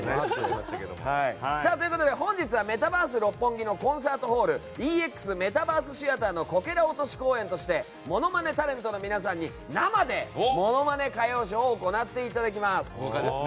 本日はメタバース六本木のコンサートホールＥＸメタバースシアターのこけら落とし公演としてモノマネタレントの皆さんに生でモノマネ歌謡ショーを行っていただきます。